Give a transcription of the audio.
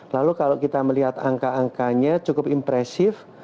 lalu kalau kita melihat angka angkanya cukup impresif